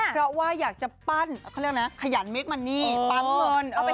เพราะว่าอยากจะปั้นเขาเรียกนะขยันเมคมันนี่ปั๊มเงิน